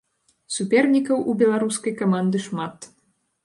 Супернікаў у беларускай каманды шмат.